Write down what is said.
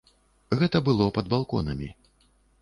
Гэта было пад балконамі.